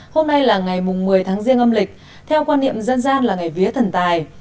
hôm nay là ngày một mươi tháng riêng âm lịch theo quan niệm dân gian là ngày vía thần tài